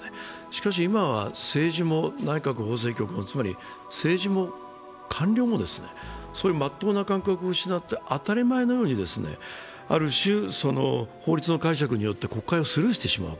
しかし今は政治も内閣法制局も、つまり政治も官僚もそういうまっとうな感覚を失って当たり前のように、ある種法律の解釈によって国会をスルーしてしまう。